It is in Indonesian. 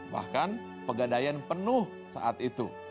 bahkan pegadaian penuh saat itu